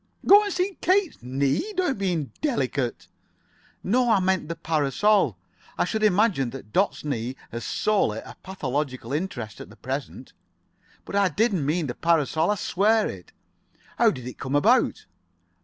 "Go and see Kate's knee? Don't be indelicate." "No, I meant the parasol. I should imagine that Dot's knee has solely a pathological interest at present. But I did mean the parasol—I swear it. How did it come about?"